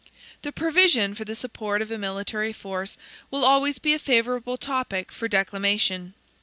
The provision for the support of a military force will always be a favorable topic for declamation.